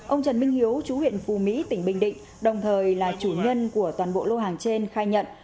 ông trần minh hiếu chú huyện phù mỹ tỉnh bình định đồng thời là chủ nhân của toàn bộ lô hàng trên khai nhận